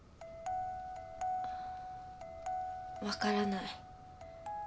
分からない。